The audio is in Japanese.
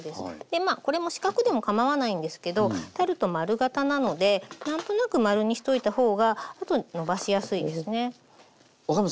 まあこれも四角でもかまわないんですけどタルト丸型なので何となく丸にしといた方がのばしやすいですね。